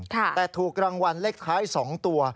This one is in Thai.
แต่ถูกรางวัลเลขท้าย๒ตัว